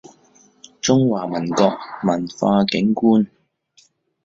中華民國文化景觀